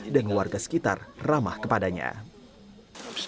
dan memiliki kemampuan untuk menjaga kemampuan